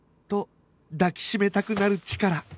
と抱き締めたくなるチカラ